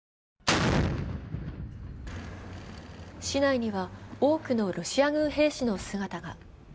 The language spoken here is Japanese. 市内には多くのロシア軍兵士の姿が。